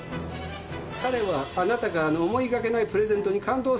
彼はあなたからの思いがけないプレゼントに感動されたんでしょう。